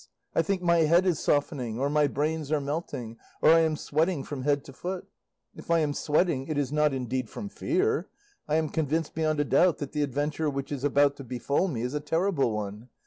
I think my head is softening, or my brains are melting, or I am sweating from head to foot! If I am sweating it is not indeed from fear. I am convinced beyond a doubt that the adventure which is about to befall me is a terrible one.